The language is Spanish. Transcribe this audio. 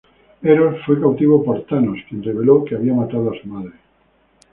Eros fue cautivo por Thanos, quien reveló que había matado a su madre.